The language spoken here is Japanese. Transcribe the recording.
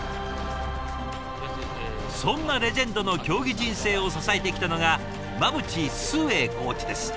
そんなレジェンドの競技人生を支えてきたのが馬淵崇英コーチです。